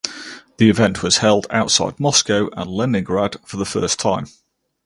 The event was held outside Moscow and Leningrad for the first time.